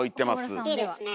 おっいいですね。